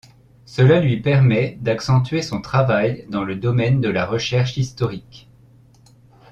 Cela lui permet d'accentuer son travail dans le domaine de la recherche historique.